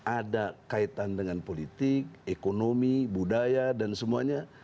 ada kaitan dengan politik ekonomi budaya dan semuanya